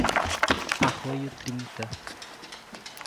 Arroio Trinta